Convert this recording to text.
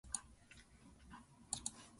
岡山県高梁市